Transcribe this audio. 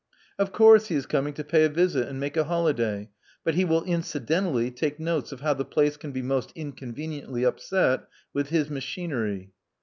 '*0f course he is coming to pay a visit and make a holiday. But he will incidentally take notes of how the place can be most inconveniently upset with his machinery."